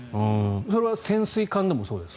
それは潜水艦でもそうですか。